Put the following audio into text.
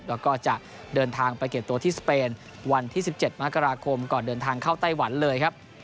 แล้วก็จะเดินทางไปเก็บตัวที่สเปนวันที่๑๗มกราคมก่อนเดินทางเข้าไต้หวันเลยครับ